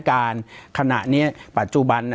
ปากกับภาคภูมิ